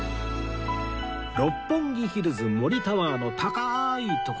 六本木ヒルズ森タワーの高い所